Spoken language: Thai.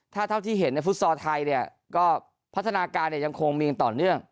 ถ้าเท่าที่เห็นในฟุตซอลไทยเนี่ยก็พัฒนาการเนี่ยยังคงมีต่อเนื่อง